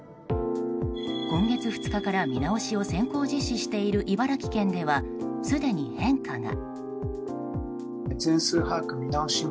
今月２日から見直しを先行実施している茨城県ではすでに変化が。